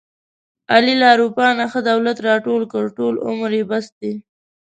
علي له اروپا نه ښه دولت راټول کړ، ټول عمر یې بس دی.